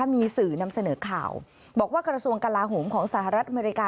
มีสื่อนำเสนอข่าวบอกว่ากระทรวงกลาโหมของสหรัฐอเมริกา